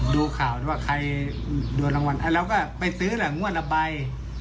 ดูข่าวว่าใครโดนรางวัลเราก็ไปซื้อแหละงวดละใบ